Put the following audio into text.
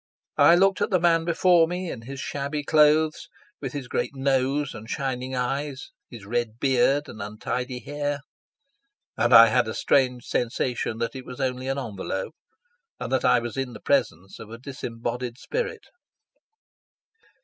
I looked at the man before me in his shabby clothes, with his great nose and shining eyes, his red beard and untidy hair; and I had a strange sensation that it was only an envelope, and I was in the presence of a disembodied spirit.